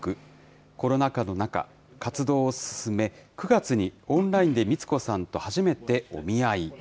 コロナ禍の中、活動を進め、９月にオンラインでミツコさんと初めてお見合い。